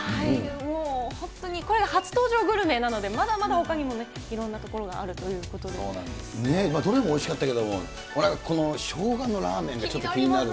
もう、本当にただ、初登場グルメなので、まだまだほかにもね、いろんな所があるといどれもおいしかったけど、このショウガのラーメンって、ちょっと気になるね。